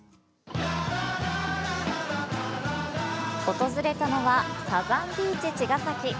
訪れたのはサザンビーチちがさき。